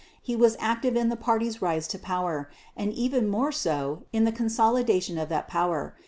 He was active in the Party's rise to power and even more so in the consolidation of that power.